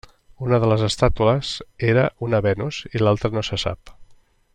Una de les estàtues era una Venus i l'altra no se sap.